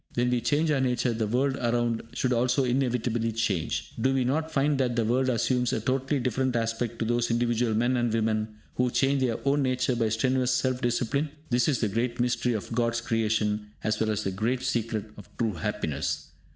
When we change our nature, the world around should also inevitably change. Do we not find that the world assumes a totally different aspect to those individual men and women who change their own nature by strenuous self discipline? This is the great mystery of God's creation as well as the great secret of true happiness.